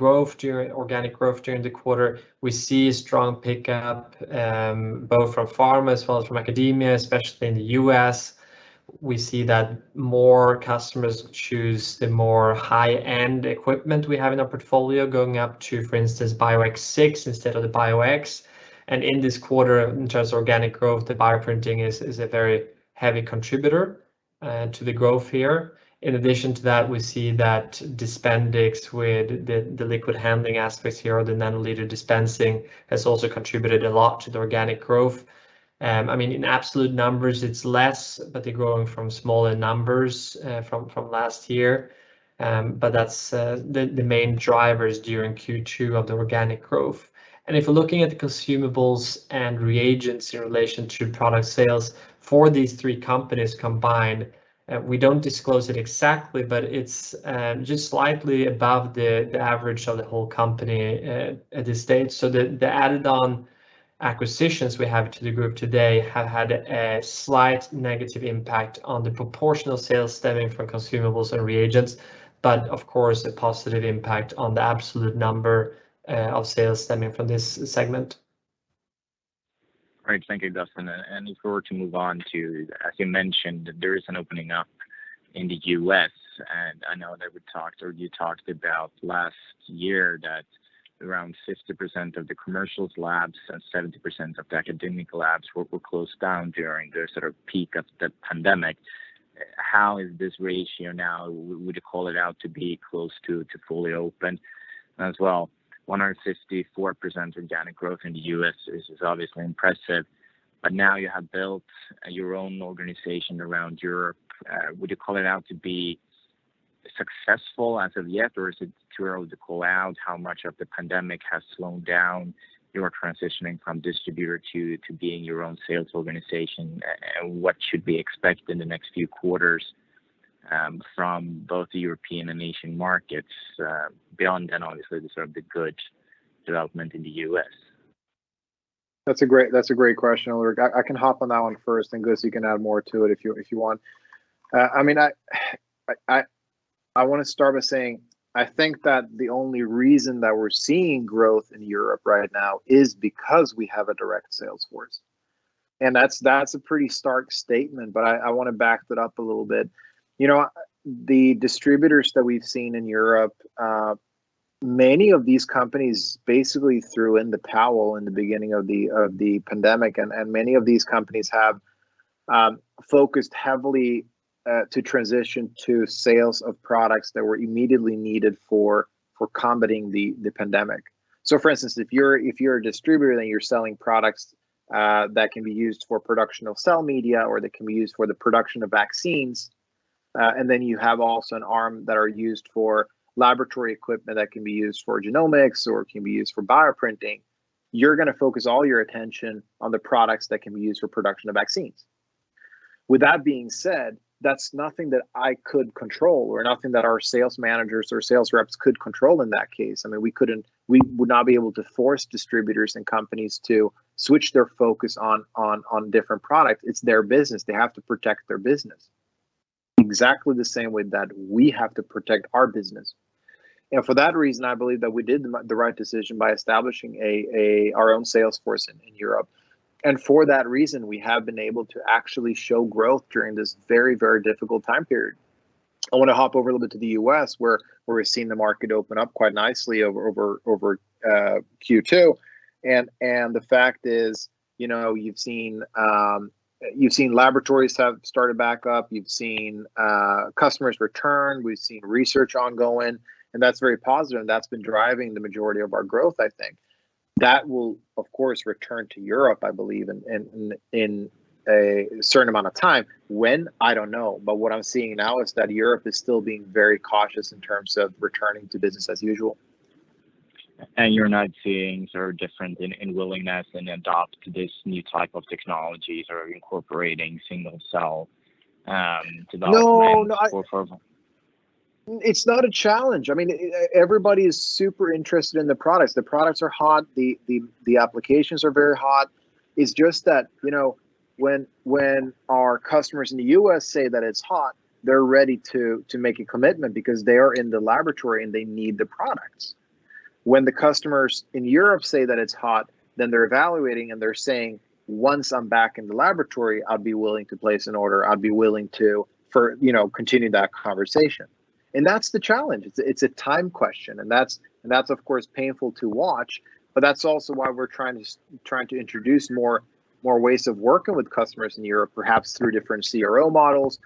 organic growth during the quarter, we see a strong pickup, both from pharma as well as from academia, especially in the U.S. We see that more customers choose the more high-end equipment we have in our portfolio going up to, for instance, BIO X6 instead of the BIO X. In this quarter, in terms of organic growth, the bioprinting is a very heavy contributor to the growth here. In addition to that, we see that Dispendix with the liquid handling aspects here or the nanoliter dispensing, has also contributed a lot to the organic growth. In absolute numbers it is less, but they are growing from smaller numbers from last year. That is the main drivers during Q2 of the organic growth. If we are looking at the consumables and reagents in relation to product sales for these three companies combined, we do not disclose it exactly, but it is just slightly above the average of the whole company at this stage. The added-on acquisitions we have to the group today have had a slight negative impact on the proportional sales stemming from consumables and reagents. Of course, a positive impact on the absolute number of sales stemming from this segment. Great. Thank you, Gusten. If we were to move on to, as you mentioned, there is an opening up in the U.S., and I know that we talked, or you talked about last year, that around 50% of the commercial labs and 70% of the academic labs were closed down during the sort of peak of the pandemic. How is this ratio now? Would you call it out to be close to fully open as well? 164% organic growth in the U.S. is obviously impressive, but now you have built your own organization around Europe. Would you call it out to be successful as of yet, or is it too early to call out how much of the pandemic has slowed down your transitioning from distributor to being your own sales organization? What should we expect in the next few quarters, from both the European and Asian markets, beyond, and obviously the sort of the good development in the U.S.? That's a great question, Ulrik. I can hop on that one first, and Gust you can add more to it if you want. I want to start by saying, I think that the only reason that we're seeing growth in Europe right now is because we have a direct sales force. That's a pretty stark statement, but I want to back that up a little bit. The distributors that we've seen in Europe, many of these companies basically threw in the towel in the beginning of the pandemic, and many of these companies have focused heavily to transition to sales of products that were immediately needed for combating the pandemic. For instance, if you're a distributor and you're selling products that can be used for production of cell media or that can be used for the production of vaccines, and then you have also an arm that are used for laboratory equipment that can be used for genomics or can be used for bioprinting, you're going to focus all your attention on the products that can be used for production of vaccines. With that being said, that's nothing that I could control or nothing that our sales managers or sales reps could control in that case. We would not be able to force distributors and companies to switch their focus on different products. It's their business. They have to protect their business exactly the same way that we have to protect our business. For that reason, I believe that we did the right decision by establishing our own sales force in Europe. For that reason, we have been able to actually show growth during this very difficult time period. I want to hop over a little bit to the U.S., where we've seen the market open up quite nicely over Q2. The fact is, you've seen laboratories have started back up. You've seen customers return. We've seen research ongoing, and that's very positive, and that's been driving the majority of our growth, I think. That will, of course, return to Europe, I believe, in a certain amount of time. When, I don't know. What I'm seeing now is that Europe is still being very cautious in terms of returning to business as usual. You're not seeing sort of difference in willingness in adopt this new type of technologies or incorporating cell line development? No Further? It's not a challenge. Everybody is super interested in the products. The products are hot. The applications are very hot. It's just that, when our customers in the U.S. say that it's hot, they're ready to make a commitment because they are in the laboratory, and they need the products. When the customers in Europe say that it's hot, then they're evaluating, and they're saying, "Once I'm back in the laboratory, I'd be willing to place an order. I'd be willing to continue that conversation." That's the challenge. It's a time question, and that's of course painful to watch, but that's also why we're trying to introduce more ways of working with customers in Europe, perhaps through different CRO models,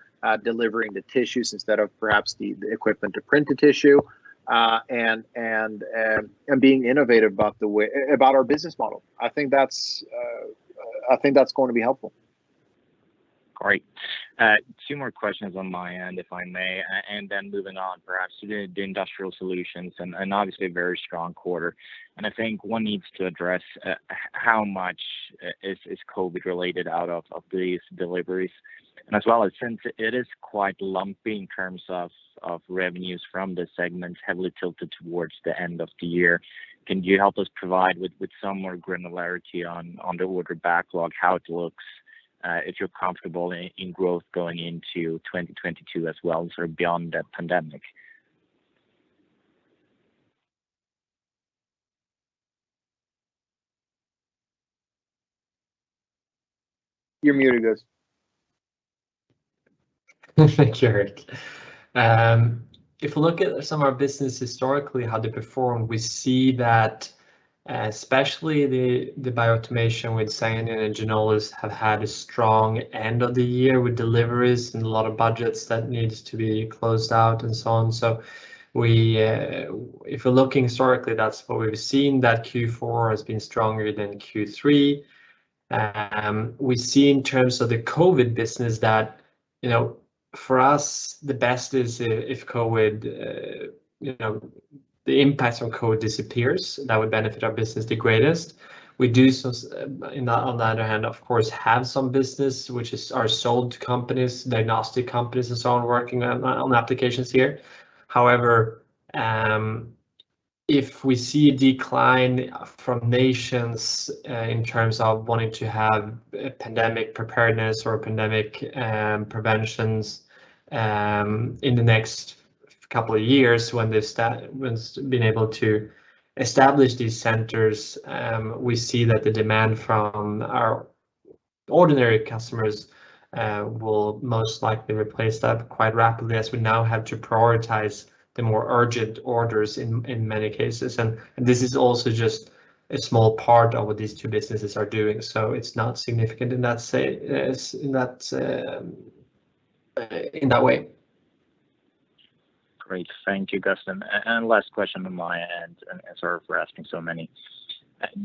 delivering the tissues instead of perhaps the equipment to print the tissue, and being innovative about our business model. I think that's going to be helpful. Great. Two more questions on my end, if I may, and then moving on perhaps to the industrial solutions, and obviously a very strong quarter. I think one needs to address how much is COVID-related out of these deliveries. As well as since it is quite lumpy in terms of revenues from the segments, heavily tilted towards the end of the year. Can you help us provide with some more granularity on the order backlog, how it looks, if you're comfortable in growth going into 2022 as well, sort of beyond the pandemic? You're muted, Gusten. Sure. If we look at some of our business historically, how they perform, we see that especially the bioautomation with Cytena and Ginolis have had a strong end of the year with deliveries and a lot of budgets that needs to be closed out and so on. If we're looking historically, that's what we've seen, that Q4 has been stronger than Q3. We see in terms of the COVID business that, for us, the best is if the impact of COVID disappears, that would benefit our business the greatest. We do, on the other hand, of course, have some business, which are sold to companies, diagnostic companies and so on, working on applications here. However, if we see a decline from nations in terms of wanting to have pandemic preparedness or pandemic preventions in the next two years when they've been able to establish these centers, we see that the demand from our ordinary customers will most likely replace that quite rapidly as we now have to prioritize the more urgent orders in many cases. This is also just a small part of what these two businesses are doing. It's not significant in that way. Great. Thank you, Gusten. Last question on my end, and sorry for asking so many.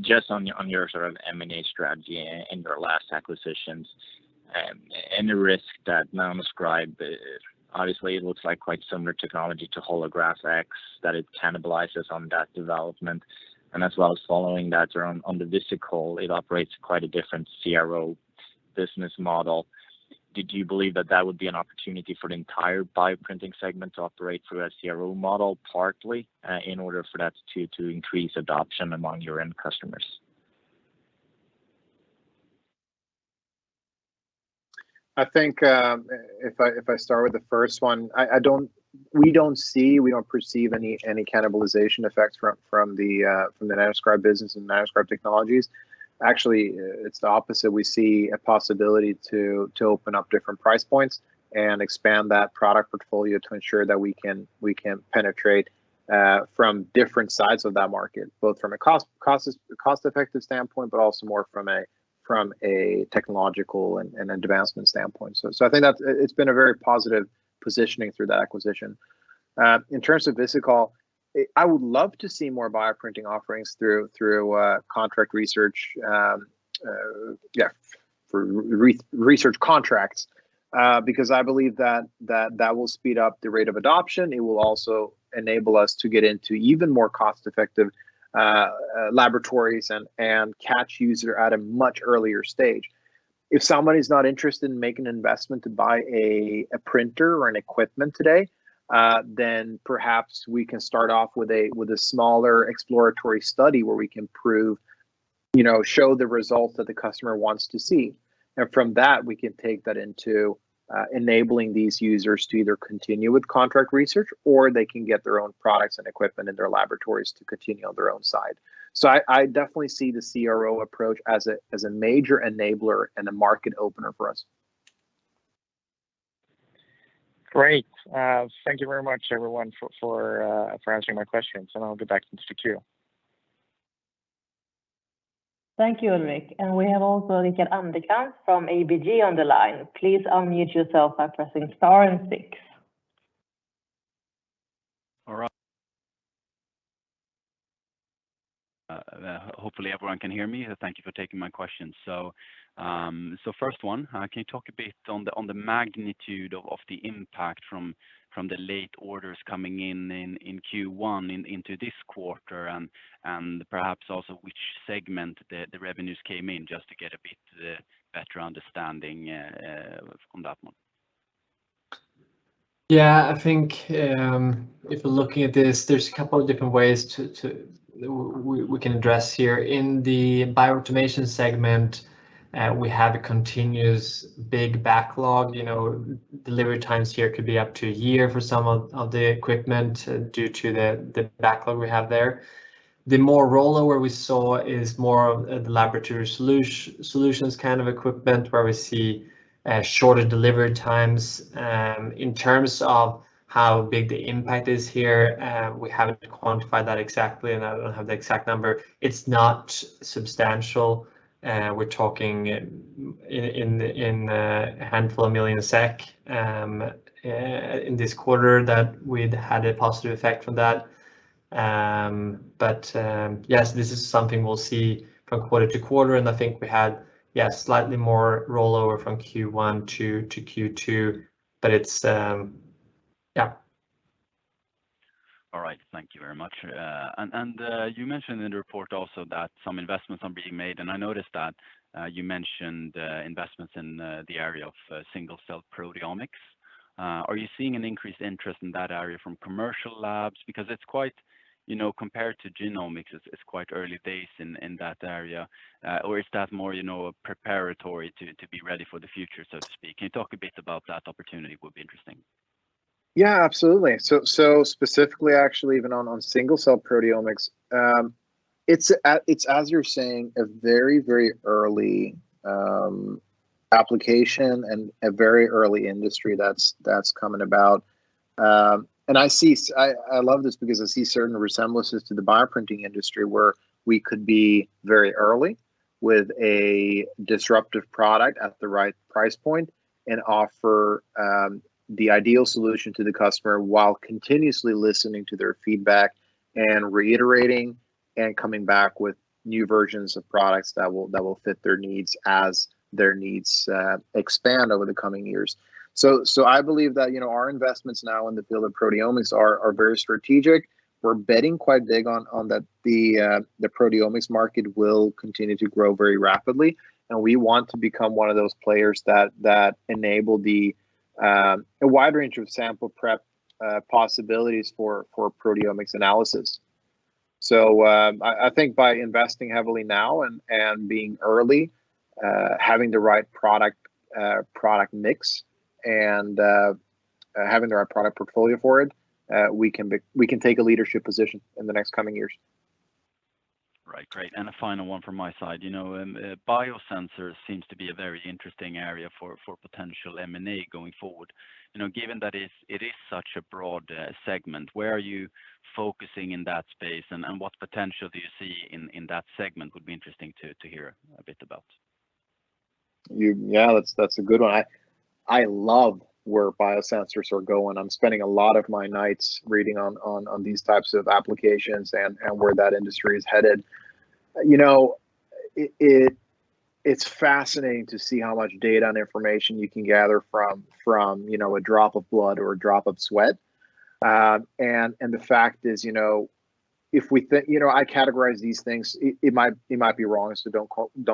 Just on your sort of M&A strategy in your last acquisitions and the risk that Nanoscribe, obviously it looks like quite similar technology to Holograph-X, that it cannibalizes on that development. As well as following that on the Visikol, it operates quite a different CRO business model. Did you believe that that would be an opportunity for the entire bioprinting segment to operate through a CRO model partly, in order for that to increase adoption among your end customers? I think if I start with the first one, we don't see, we don't perceive any cannibalization effects from the Nanoscribe business and Nanoscribe Technologies. It's the opposite. We see a possibility to open up different price points and expand that product portfolio to ensure that we can penetrate from different sides of that market, both from a cost-effective standpoint, but also more from a technological and advancement standpoint. I think that it's been a very positive positioning through that acquisition. In terms of Visikol, I would love to see more bioprinting offerings through contract research. Yeah. For research contracts, because I believe that will speed up the rate of adoption. It will also enable us to get into even more cost-effective laboratories and catch user at a much earlier stage. If somebody's not interested in making an investment to buy a printer or an equipment today, then perhaps we can start off with a smaller exploratory study where we can prove, show the result that the customer wants to see. From that, we can take that into enabling these users to either continue with contract research or they can get their own products and equipment in their laboratories to continue on their own side. I definitely see the CRO approach as a major enabler and a market opener for us. Great. Thank you very much, everyone, for answering my questions. I'll get back into queue. Thank you, Ulrik. We have also Johan Lindén from ABG on the line. Please unmute yourself by pressing star and six. All right. Hopefully everyone can hear me. Thank you for taking my questions. First one, can you talk a bit on the magnitude of the impact from the late orders coming in in Q1 into this quarter, and perhaps also which segment the revenues came in, just to get a bit better understanding from that one? Yeah, I think if we're looking at this, there's a couple of different ways we can address here. In the bioautomation segment, we have a continuous big backlog. Delivery times here could be up to one year for some of the equipment due to the backlog we have there. The more rollover we saw is more of the laboratory solutions kind of equipment, where we see shorter delivery times. How big the impact is here, we haven't quantified that exactly, and I don't have the exact number. It's not substantial. We're talking in a handful of million SEK in this quarter that we'd had a positive effect from that. Yes, this is something we'll see from quarter to quarter, and I think we had slightly more rollover from Q1 to Q2. All right. Thank you very much. You mentioned in the report also that some investments are being made, and I noticed that you mentioned investments in the area of single-cell proteomics. Are you seeing an increased interest in that area from commercial labs? Compared to genomics, it's quite early days in that area. Is that more preparatory to be ready for the future, so to speak? Can you talk a bit about that opportunity? Would be interesting. Absolutely. Specifically, actually, even on single-cell proteomics, it's, as you're saying, a very, very early application and a very early industry that's coming about. I love this because I see certain resemblances to the bioprinting industry where we could be very early with a disruptive product at the right price point and offer the ideal solution to the customer while continuously listening to their feedback and reiterating and coming back with new versions of products that will fit their needs as their needs expand over the coming years. I believe that our investments now in the field of proteomics are very strategic. We're betting quite big on the proteomics market will continue to grow very rapidly, we want to become one of those players that enable a wide range of sample prep possibilities for proteomics analysis. I think by investing heavily now and being early, having the right product mix and having the right product portfolio for it, we can take a leadership position in the next coming years. Right. Great. A final one from my side. Biosensors seems to be a very interesting area for potential M&A going forward. Given that it is such a broad segment, where are you focusing in that space, and what potential do you see in that segment would be interesting to hear a bit about. Yeah, that's a good one. I love where biosensors are going. I'm spending a lot of my nights reading on these types of applications and where that industry is headed. It's fascinating to see how much data and information you can gather from a drop of blood or a drop of sweat. The fact is, I categorize these things, it might be wrong, so don't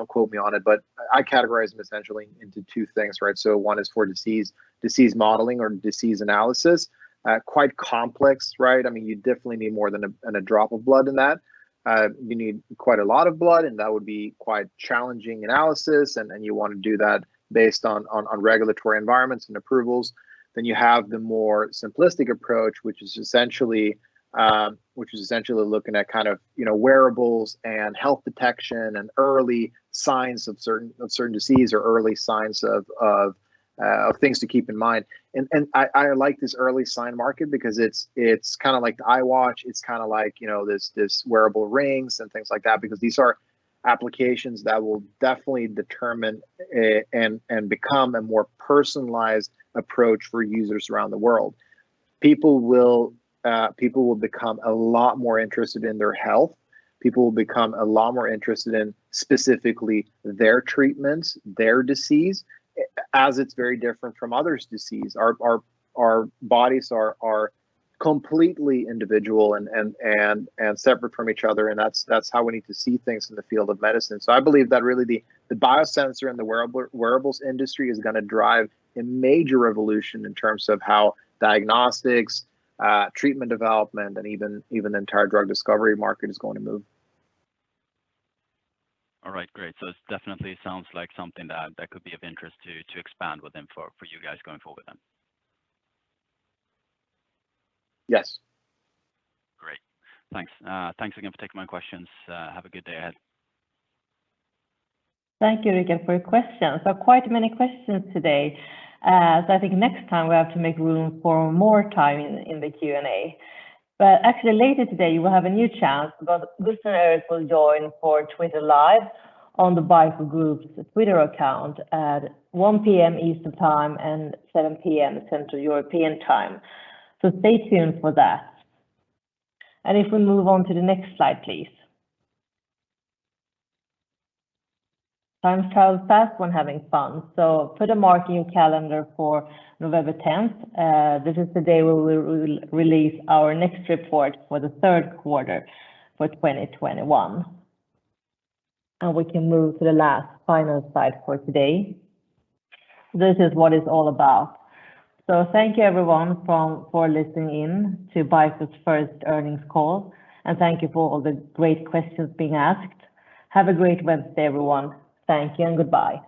quote me on it, but I categorize them essentially into two things, right? One is for disease modeling or disease analysis. Quite complex, right? You definitely need more than a drop of blood in that. You need quite a lot of blood, and that would be quite challenging analysis, and you want to do that based on regulatory environments and approvals. You have the more simplistic approach, which is essentially looking at kind of wearables and health detection and early signs of certain disease or early signs of things to keep in mind. I like this early sign market because it's kind of like the Apple Watch. It's kind of like these wearable rings and things like that because these are applications that will definitely determine and become a more personalized approach for users around the world. People will become a lot more interested in their health. People will become a lot more interested in specifically their treatments, their disease, as it's very different from others' disease. Our bodies are completely individual and separate from each other. That's how we need to see things in the field of medicine. I believe that really the biosensor and the wearables industry is going to drive a major revolution in terms of how diagnostics, treatment development, and even the entire drug discovery market is going to move. All right, great. It definitely sounds like something that could be of interest to expand within for you guys going forward, then. Yes. Great. Thanks. Thanks again for taking my questions. Have a good day ahead. Thank you again for your questions. Quite many questions today. I think next time we have to make room for more time in the Q&A. Actually later today, you will have a new chance because Gusten and Erik will join for Twitter Live on the BICO Group's Twitter account at 1:00 P.M. Eastern time and 7:00 P.M. Central European time. Stay tuned for that. If we move on to the next slide, please. Time travels fast when having fun, put a mark in your calendar for November 10th. This is the day we will release our next report for the third quarter for 2021. We can move to the last, final slide for today. This is what it's all about. Thank you everyone for listening in to BICO's first earnings call, and thank you for all the great questions being asked. Have a great Wednesday, everyone. Thank you and goodbye.